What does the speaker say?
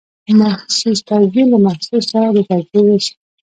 محسوس تشبیه له محسوس سره د تشبېه وېش.